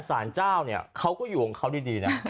สารเจ้าเนี่ยเขาก็อยู่ของเขาดีนะ